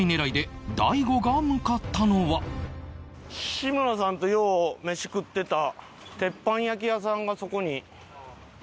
志村さんとよう飯食ってた鉄板焼き屋さんがそこに。